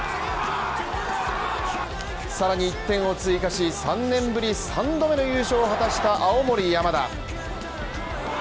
さらに１点を追加し３年ぶり３度目の優勝を果たした青森山田